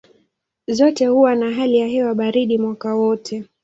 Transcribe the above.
Zote huwa na hali ya hewa baridi mwaka wote.